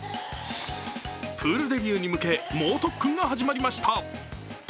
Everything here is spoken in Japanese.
プールデビューに向け猛特訓が始まりました。